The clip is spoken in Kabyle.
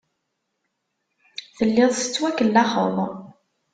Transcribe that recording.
Telliḍ tettwakellaxeḍ.